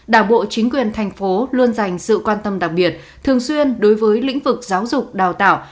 đảng bộ chính quyền thành phố luôn dành sự quan tâm đặc biệt thường xuyên đối với lĩnh vực giáo dục đào tạo